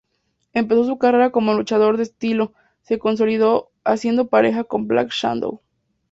Empezó su carrera como luchador de estilo se consolidó haciendo pareja con "Black Shadow".